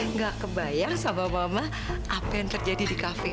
nggak kebayang sama mama apa yang terjadi di kafe